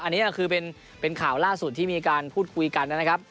อันนี้คือเป็นข่าวล่าสุดที่มีการพูดคุยกันนะครับ